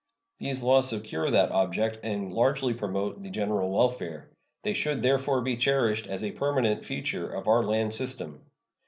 These laws secure that object and largely promote the general welfare. They should therefore be cherished as a permanent feature of our land system.